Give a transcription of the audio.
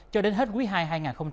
cho đến hết quý ii hai nghìn hai mươi